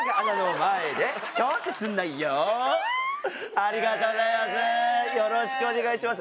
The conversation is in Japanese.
ありがとうございます！